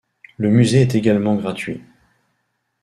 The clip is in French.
Le musée est également gratuit.